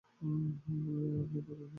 আপনি পাগল হয়ে গেছেন?